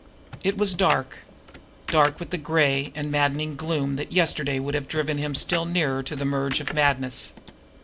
It was dark dark with that gray and maddening gloom that yesterday would have driven him still nearer to the merge of madness.